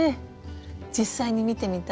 実際に見てみたい。